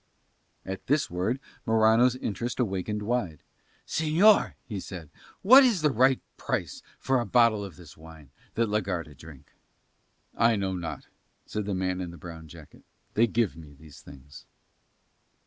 At this word Morano's interest awakened wide. "Señor," he said, "what is the right price for a bottle of this wine that la Garda drink?" "I know not," said the man in the brown jacket; "they give me these things."